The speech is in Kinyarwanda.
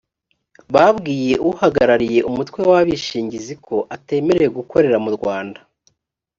babwiye uhagarariye umutwe w abishingizi ko atemerewe gukorera mu rwanda